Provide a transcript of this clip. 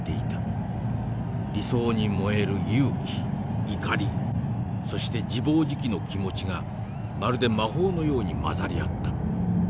理想に燃える勇気怒りそして自暴自棄の気持ちがまるで魔法のように混ざり合った。